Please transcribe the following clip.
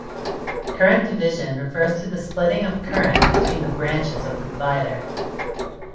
Current division refers to the splitting of current between the branches of the divider.